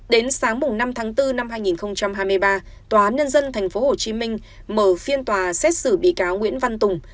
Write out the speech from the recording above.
đến sáng năm tháng bốn năm hai nghìn hai mươi ba tòa án nhân dân tp hcm mở phiên tòa xét xử bị cáo nguyễn văn tùng